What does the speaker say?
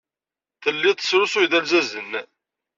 Tellid tesrusuyed-d alzazen.